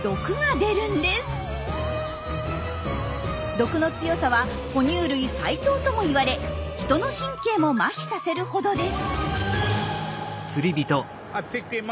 毒の強さはほ乳類最強ともいわれ人の神経もまひさせるほどです。